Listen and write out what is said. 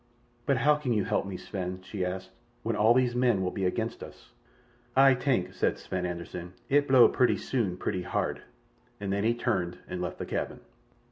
"But how can you help me, Sven," she asked, "when all these men will be against us?" "Ay tank," said Sven Anderssen, "it blow purty soon purty hard," and then he turned and left the cabin.